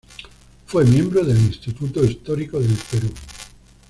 Fue miembro del Instituto Histórico del Perú.